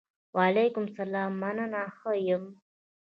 وعلیکم سلام! مننه ښۀ یم.